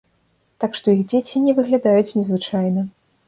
Так што іх дзеці не выглядаюць незвычайна.